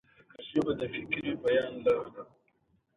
ژبه د فکري بیان لار ده.